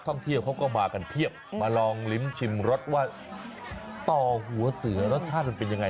ท่องเที่ยวเขาก็มากันเพียบมาลองลิ้มชิมรสว่าต่อหัวเสือรสชาติมันเป็นยังไง